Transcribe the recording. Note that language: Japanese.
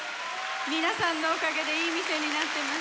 皆さんのおかげでいい店になってます。